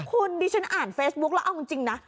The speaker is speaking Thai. คุณดิฉันอ่านเฟซบุ๊คแล้วเอาจริงนะ